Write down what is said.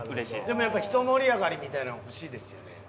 でもやっぱひと盛り上がりみたいなの欲しいですよね？